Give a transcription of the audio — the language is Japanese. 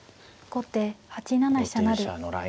後手８七飛車成。